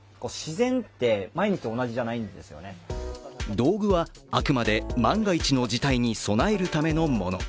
道具はあくまで万が一の事態に備えるためのもの。